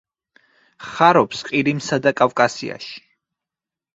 ხარობს ყირიმსა და კავკასიაში.